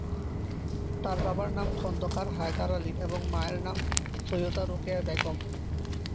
তার বাবার নাম খন্দকার হায়দার আলী এবং মায়ের নাম সৈয়দা রোকেয়া বেগম।